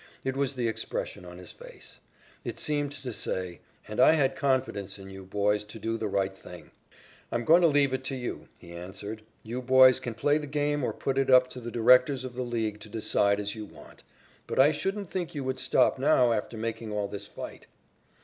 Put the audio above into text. It was the expression on his face. It seemed to say, "And I had confidence in you, boys, to do the right thing." "I'm going to leave it to you," he answered "You boys can play the game or put it up to the directors of the League to decide as you want. But I shouldn't think you would stop now after making all this fight."